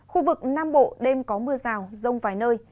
khu vực nam bộ đêm có mưa rào rông vài nơi